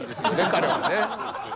彼はね。